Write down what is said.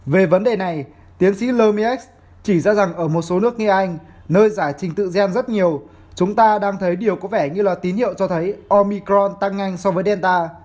về vấn đề này tiến sĩ lemiec chỉ ra rằng ở một số nước như anh nơi giải trình tự gen rất nhiều chúng ta đang thấy điều có vẻ như là tín hiệu cho thấy omicron tăng nhanh so với delta